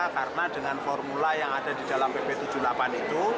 karena dengan formula yang ada di dalam pp tujuh puluh delapan itu